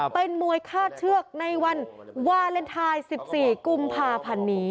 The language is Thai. เป็นมวยฆ่าเชือกในวันวาเลนไทย๑๔กุมภาพันธ์นี้